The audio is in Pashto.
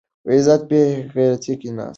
عزت په بې غیرتۍ کې نه ترلاسه کېږي.